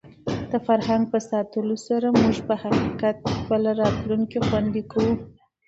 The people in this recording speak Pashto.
د فرهنګ په ساتلو سره موږ په حقیقت کې خپله راتلونکې خوندي کوو.